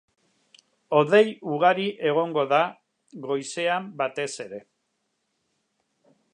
Hodei ugari egongo da, goizean batez ere.